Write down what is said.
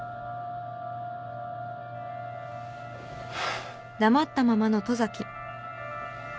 ハァ。